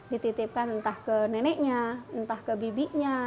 dititipkan entah ke neneknya entah ke bibinya